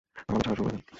আমাকে ছাড়াই শুরু করে দেন।